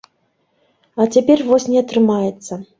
А цяпер вось не атрымаецца.